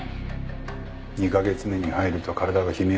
２カ月目に入ると体が悲鳴を上げる。